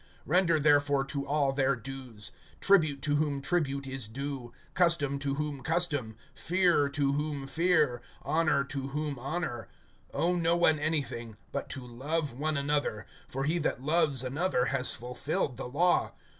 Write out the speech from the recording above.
(7)Render therefore to all their dues; tribute to whom tribute is due; custom to whom custom; fear to whom fear; honor to whom honor. (8)Owe no one anything, but to love one another; for he that loves another has fulfilled the law.